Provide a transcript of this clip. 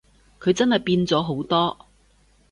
佢真係變咗好多